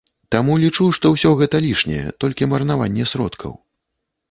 Таму лічу, што ўсё гэта лішняе, толькі марнаванне сродкаў.